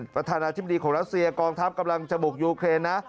ประธานาธิบดีของรัสเซียกองทัพกำลังจะบุกยูเครนนะ